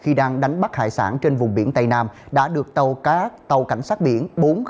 khi đang đánh bắt hải sản trên vùng biển tây nam đã được tàu cá tàu cảnh sát biển bốn trăm ba mươi